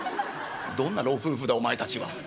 「どんな老夫婦だお前たちは。